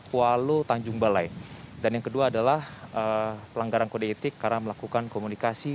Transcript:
kualo tanjung balai dan yang kedua adalah pelanggaran kode etik karena melakukan komunikasi